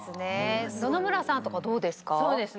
野々村さんとかどうですか？